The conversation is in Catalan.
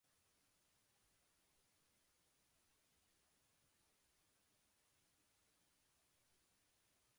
“Ara volem consolidar aquest projecte i continuar millorant”, ha dit.